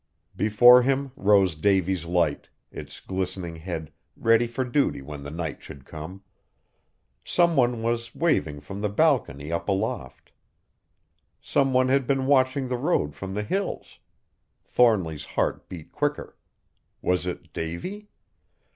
Before him rose Davy's Light, its glistening head ready for duty when the night should come. Some one was waving from the balcony up aloft! Some one had been watching the road from the Hills! Thornly's heart beat quicker. Was it Davy?